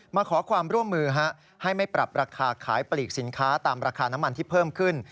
มาขอความร่วมมือให้ไม่ปรับราคาขายปลีกสินค้าตามราคาน้ำมันที่เพิ่มขึ้น